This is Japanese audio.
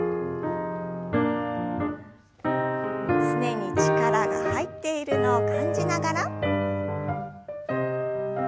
すねに力が入っているのを感じながら。